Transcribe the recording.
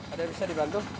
ada yang bisa dibantu